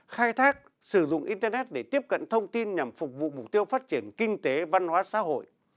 khai thác sử dụng internet để tiếp cận thông tin nhằm phục vụ mục tiêu phát triển kinh tế văn hóa xã hội